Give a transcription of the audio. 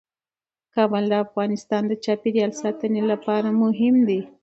کابل د افغانستان د چاپیریال ساتنې لپاره مهم دي.